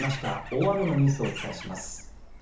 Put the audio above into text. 大雨のニュースをお伝えします。